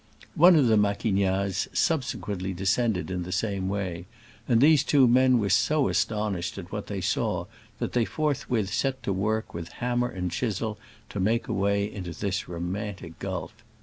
One of the Maquignazes subsequently de scended in the same way, and these two men were so astonished at what they saw that they forthwith set to work with hammer and chisel to make a way into this romantic gulf.